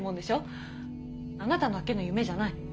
あなただけの夢じゃない。